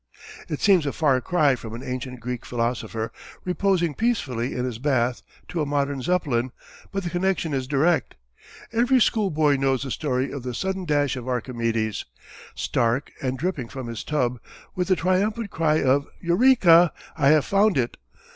It seems a far cry from an ancient Greek philosopher reposing peacefully in his bath to a modern Zeppelin, but the connection is direct. Every schoolboy knows the story of the sudden dash of Archimedes, stark and dripping from his tub, with the triumphant cry of "Eureka!" "I have found it!"